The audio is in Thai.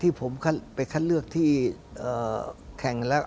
แต่ผมเป็นคัทเลือกที่๑โรงหารับแนะคะ